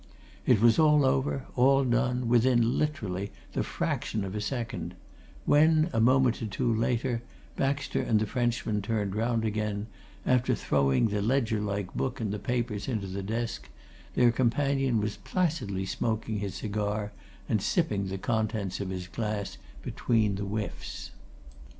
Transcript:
It was all over, all done, within, literally, the fraction of a second; when, a moment or two later, Baxter and the Frenchman turned round again, after throwing the ledger like book and the papers into the desk, their companion was placidly smoking his cigar and sipping the contents of his glass between the whiffs.